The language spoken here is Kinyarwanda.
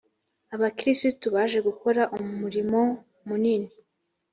abakristo baje gukora umurimo munini